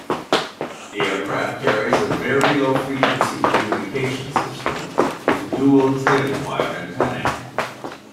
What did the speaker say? The aircraft carries a very low frequency communication system with dual trailing wire antennae.